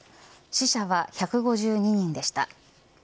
死者は１５２人でした。